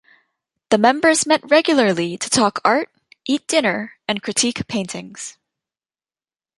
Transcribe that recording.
The members met regularly to talk art, eat dinner, and critique paintings.